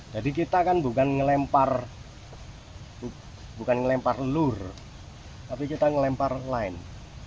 jadi kita kan bukan ngelempar lur tapi kita ngelempar line